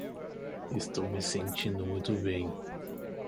Estou me sentindo muito bem.